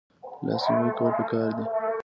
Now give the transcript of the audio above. لاس نیوی کول پکار دي